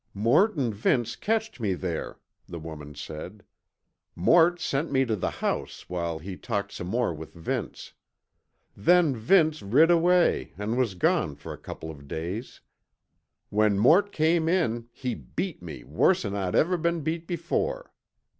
"Mort an' Vince catched me there," the woman said. "Mort sent me tuh the house while he talked some more with Vince. Then Vince rid away an' was gone fer a couple of days. When Mort come in he beat me worse'n I ever been beat before.